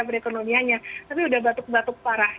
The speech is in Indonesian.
perekonomiannya tapi udah batuk batuk parah